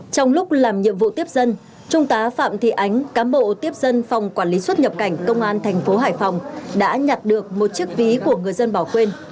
trong lúc làm nhiệm vụ tiếp dân trung tá phạm thị ánh cám bộ tiếp dân phòng quản lý xuất nhập cảnh công an thành phố hải phòng đã nhặt được một chiếc ví của người dân bỏ quên